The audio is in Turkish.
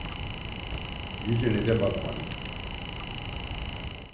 Yüzüne de bakmadım.